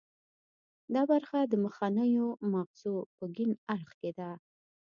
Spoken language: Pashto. دا برخه د مخنیو مغزو په کیڼ اړخ کې ده